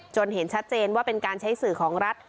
เห็นชัดเจนว่าเป็นการใช้สื่อของรัฐ